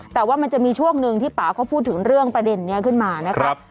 แต่ว่ามันจะมีช่วงหนึ่งที่ป่าเขาพูดถึงเรื่องประเด็นนี้ขึ้นมานะครับ